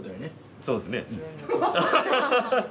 ◆そうですね。